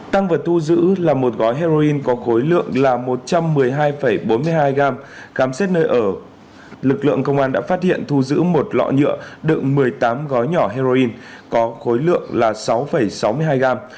tăng vật thu giữ là một gói heroin có khối lượng là một trăm một mươi hai bốn mươi hai gram khám xét nơi ở lực lượng công an đã phát hiện thu giữ một lọ nhựa đựng một mươi tám gói nhỏ heroin có khối lượng là sáu sáu mươi hai gram